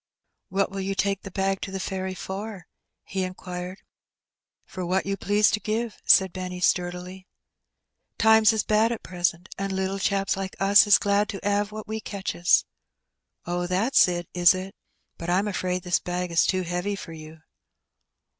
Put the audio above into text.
"What will you take the bag to the ferry for?" he inquired. "For what you please to give," said Benny sturdily. ''Times is bad at present, and little chaps like us is glad to *ave what we catches." "Oh, that's it, is it? But Fm afraid this bag is too heavy for you."